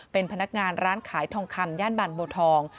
เป็นพนักงานร้านขายทองคำย่านบางบัวทอง